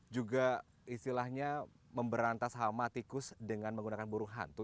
juga istilahnya memberantas hama tikus dengan menggunakan burung hantu